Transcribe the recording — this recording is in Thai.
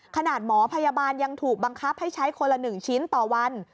ขนาดหมอพยาบาลยังถูกบังคับให้ใช้คนละ๑ชิ้นต่อวัน